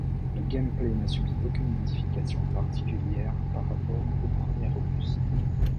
Le gameplay n'a subi aucune modification particulière par rapport au premier opus.